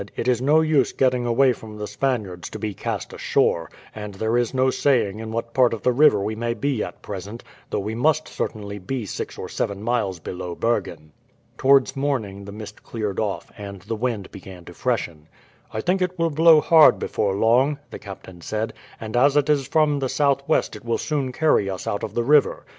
"It is no use getting away from the Spaniards to be cast ashore; and there is no saying in what part of the river we may be at present, though we must certainly be six or seven miles below Bergen." Towards morning the mist cleared off, and the wind began to freshen. "I think it will blow hard before long," the captain said; "and as it is from the southwest it will soon carry us out of the river.